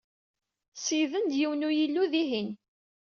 Ṣeyyden-d yiwen n yilu dihin.